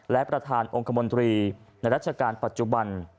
และประธานองค์คมนตรีในรัชกาลปัจจุบัน